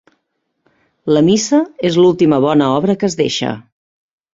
La missa és l'última bona obra que es deixa.